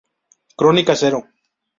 Crónica Zero.